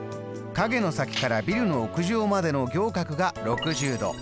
影の先からビルの屋上までの仰角が６０度。